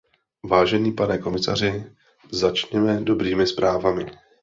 Vážený pane komisaři, začněme dobrými zprávami.